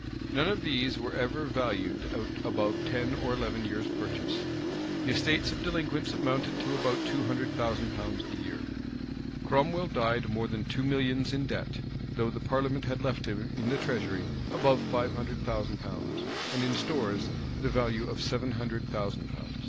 [v*] None of these were ever valued at above ten or eleven years' purchase.[v] The estates of delinquents amounted to above two hundred thousand pounds a year.[] Cromwell died more than two millions in debt;[v] though the parliament had left him in the treasury above five hundred thousand pounds; and in stores, the value of seven hundred thousand pounds.